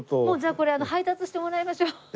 もうじゃあこれ配達してもらいましょう。